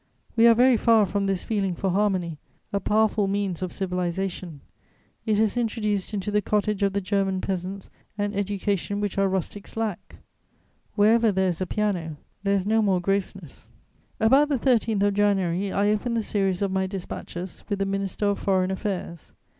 We are very far from this feeling for harmony, a powerful means of civilization; it has introduced into the cottage of the German peasants an education which our rustics lack: wherever there is a piano, there is no more grossness. About the 13th of January, I opened the series of my dispatches with the Minister of Foreign Affairs.